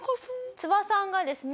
ツワさんがですね